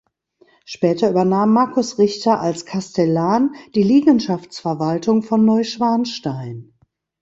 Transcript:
Später übernahm Markus Richter als Kastellan die Liegenschaftsverwaltung von Neuschwanstein.